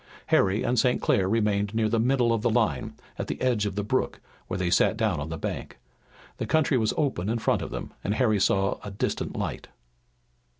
Harry and St. Clair remained near the middle of the line, at the edge of the brook, where they sat down on the bank. The country was open in front of them, and Harry saw a distant light.